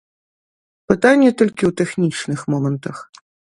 Пытанне толькі ў тэхнічных момантах.